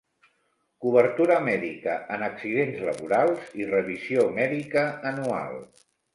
Cobertura mèdica en accidents laborals i revisió mèdica anual.